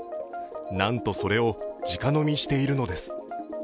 なんと、それをじか飲みしているのです。